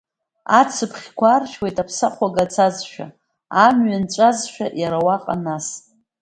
Ацыԥхьқәа аршәуеит аԥсахәага цазшәа, амҩа нҵәазшәа иара уаҟа нас…